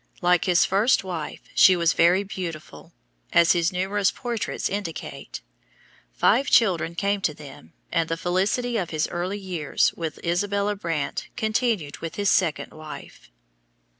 Like his first wife she was very beautiful, as his numerous portraits indicate. Five children came to them and the felicity of his early years with Isabella Brandt continued with his second wife.